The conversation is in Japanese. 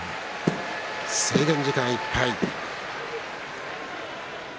制限時間いっぱい。